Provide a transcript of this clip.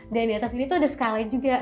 dan di atas ini tuh ada skala juga